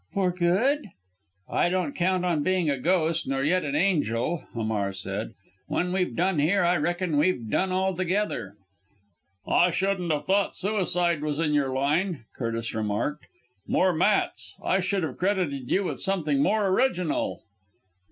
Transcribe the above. "For good?" "I don't count on being a ghost nor yet an angel," Hamar said; "when we've done here, I reckon we've done altogether!" "I shouldn't have thought suicide was in your line," Curtis remarked. "More Matt's. I should have credited you with something more original."